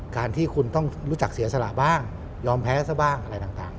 การที่คุณต้องรู้จักเสียสละบ้างยอมแพ้ซะบ้างอะไรต่าง